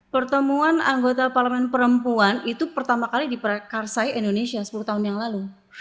pertemuan anggota parlemen perempuan itu pertama kali diperkarsai indonesia sepuluh tahun yang lalu